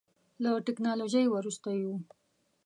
له ټکنالوژۍ وروسته یو.